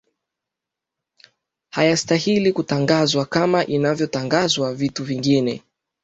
hayastahili kutangazwa kama inavyo tangazwa vitu vingine